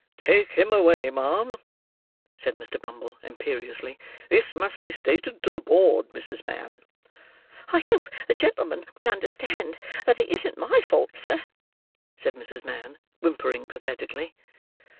"Take him away, ma'am!" said Mr. Bumble imperiously. "This must be stated to the board, Mrs. Mann." "I hope the gentleman will understand that it isn't my fault, sir?" said Mrs. Mann, whimpering pathetically.